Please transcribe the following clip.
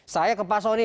saya ke pak soni